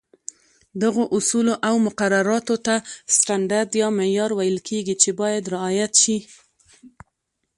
دغو اصولو او مقرراتو ته سټنډرډ یا معیار ویل کېږي، چې باید رعایت شي.